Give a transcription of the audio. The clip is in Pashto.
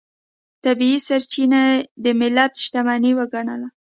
طبیعي سرچینې د ملت شتمنۍ وګڼله.